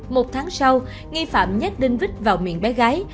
một tháng sau nghi phạm nhét đinh vít vào miệng bé gái